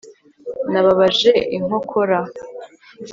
nababaje inkokora